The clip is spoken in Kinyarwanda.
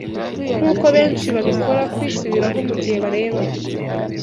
Nkuko benshi babikora, kwisubiraho mugihe bareba